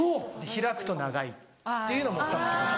開くと長いっていうのも確かにある。